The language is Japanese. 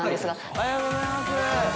おはようございます。